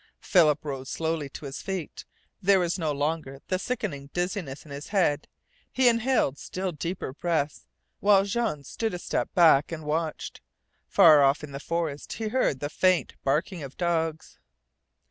Philip rose slowly to his feet. There was no longer the sickening dizziness in his head, He inhaled still deeper breaths, while Jean stood a step back and watched. Far off in the forest he heard the faint barking of dogs.